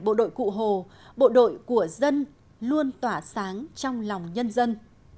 bộ đội cụ hồ bộ đội của dân luôn tỏa sáng trong lòng nhân dân